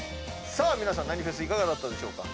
皆さん何フェスいかがだったでしょうか？